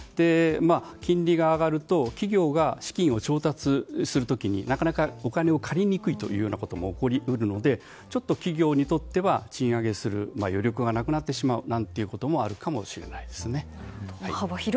金利が上がると企業が資金を調達する時になかなかお金を借りにくいということも起こり得るので企業にとっては賃上げする余力がなくなってしまうなんていうこともあるかもしれないですね。